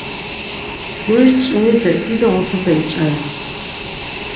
Guriş çvinite dido mutupe iç̌aren.